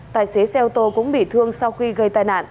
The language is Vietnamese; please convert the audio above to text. tài xế xe ô tô cũng bị thương sau khi gây tai nạn